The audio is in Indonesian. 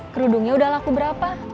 kerudungnya udah laku berapa